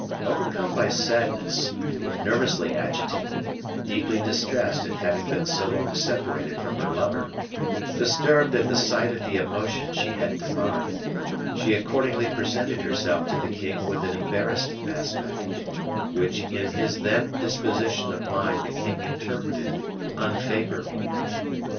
Overcome by sadness, nervously agitated, deeply distressed at having been so long separated from her lover, disturbed at the sight of the emotion she had divined, she accordingly presented herself to the king with an embarrassed aspect, which in his then disposition of mind the king interpreted unfavorably.